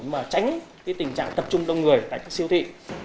mà tránh tình trạng tập trung đông người tại các siêu thị